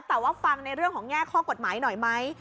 แต่ว่าฟังในเรื่องของแง่ข้อกฎหมายหน่อยไหม